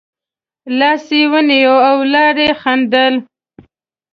لاس یې ونیو او لا یې خندل.